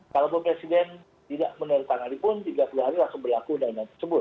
kalaupun presiden tidak menandatangani pun tiga puluh hari langsung berlaku undang undang tersebut